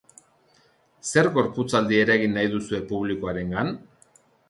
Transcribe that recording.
Zer gorputzaldi eragin nahi duzue publikoarengan?